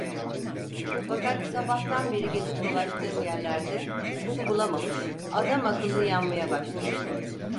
Fakat sabahtan beri gezip dolaştığım yerlerde su bulamamış, adamakıllı yanmaya başlamıştım.